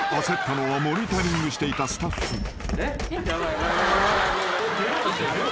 ［焦ったのはモニタリングしていたスタッフ］